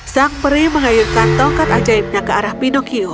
sang peri mengayunkan tongkat ajaibnya ke arah pinocchio